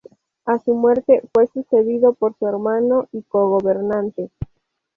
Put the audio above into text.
A su muerte, fue sucedido por su hermano y co-gobernante.